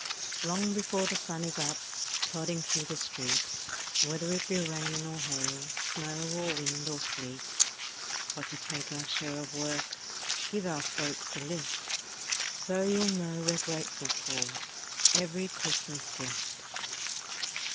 Long before the sun is up, Plodding through the street, Whether it be rain or hail, Snow or wind or sleet. Got to take our share of work, Give our folks a lift. So you'll know we're grateful for Every Christmas gift.